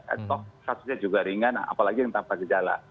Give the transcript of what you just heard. atau kasusnya juga ringan apalagi yang tanpa gejala